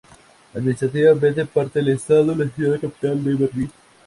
Administrativamente es parte del estado y ciudad capital de Berlín.